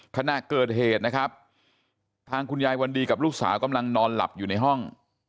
ขณะเกิดเหตุนะครับทางคุณยายวันดีกับลูกสาวกำลังนอนหลับอยู่ในห้อง